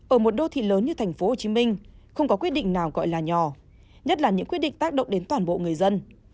ở một đô thị lớn như thành phố hồ chí minh không có quyết định nào gọi là nhỏ nhất là những quyết định tác động đến toàn bộ người dân